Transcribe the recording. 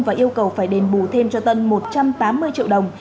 và yêu cầu phải đền bù thêm cho tân một trăm tám mươi triệu đồng